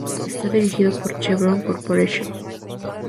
Está dirigido por Chevron Corporation.